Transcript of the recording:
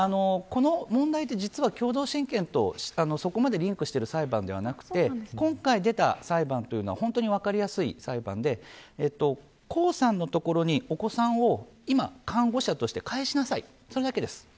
この問題は、実は共同親権とそこまでリンクしている裁判ではなくて今回出た裁判というのは本当に分かりやすい裁判で江さんのところにお子さんを今、看護者として返しなさい、それだけです。